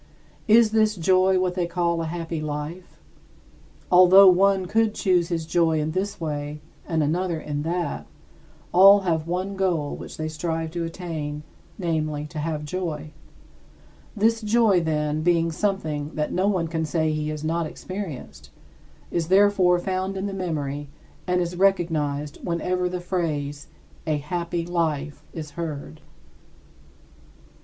Is this joy what they call a happy life? Although one could choose his joy in this way and another in that, all have one goal which they strive to attain, namely, to have joy. This joy, then, being something that no one can say he has not experienced, is therefore found in the memory and it is recognized whenever the phrase "a happy life" is heard.